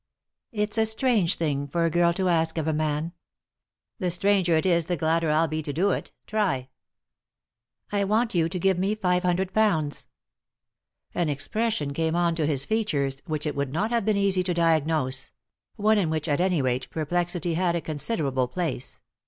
" It's a strange thing for a girl to ask of a man." "The stranger it is the gladder I'll be to do ft. Try!" '* I want you to give me five hundred pounds." An expression came on to his features which it would not have been easy to diagnose ; one in which at any rate perplexity had a considerable place.